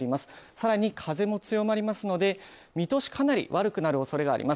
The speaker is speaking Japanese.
更に風も強まりますので見通しかなり悪くなるおそれがあります。